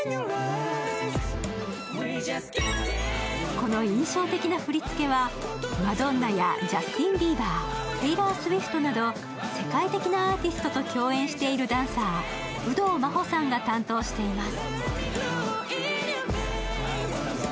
この印象的な振り付けはマドンナやジャスティン・ビーバー、テイラー・スウィフトなど世界的なアーティストと共演しているダンサー、有働真帆さんが担当しています。